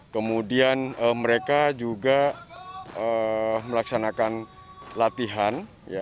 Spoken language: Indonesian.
kemudian mereka juga melaksanakan latihan